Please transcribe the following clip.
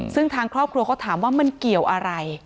ซึ่งทางครอบครัวเขาถามว่ามันเกี่ยวอะไร